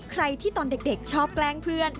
ใครที่ตอนเด็กชอบแกล้งเพื่อน